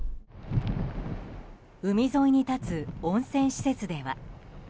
海沿いに立つ温泉施設では。